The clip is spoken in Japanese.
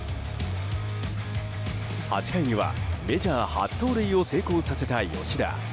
８回には、メジャー初盗塁を成功させた吉田。